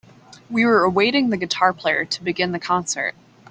We were awaiting the guitar player to begin the concert.